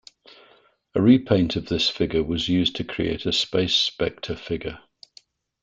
A repaint of this figure was used to create a Space Specter figure.